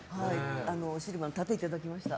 シルバーの盾いただきました。